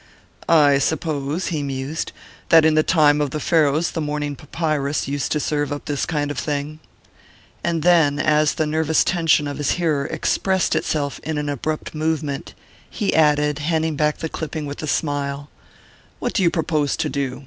"I suppose," he mused, "that in the time of the Pharaohs the Morning Papyrus used to serve up this kind of thing" and then, as the nervous tension of his hearer expressed itself in an abrupt movement, he added, handing back the clipping with a smile: "What do you propose to do?